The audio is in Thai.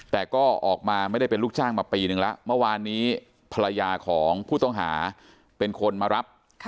แต่ก็ออกมาไม่ได้เป็นลูกจ้างมาปีนึงแล้วเมื่อวานนี้ภรรยาของผู้ต้องหาเป็นคนมารับ